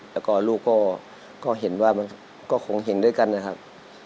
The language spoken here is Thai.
แล้วก็ลูกก็เห็นว่ามันก็คงเห็นด้วยกันนะครับ